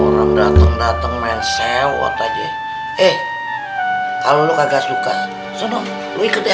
orang dateng dateng main sewot aja eh kalau lu kagak suka seneng lu ikut ya